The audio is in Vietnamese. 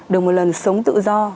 được một lần sống tự do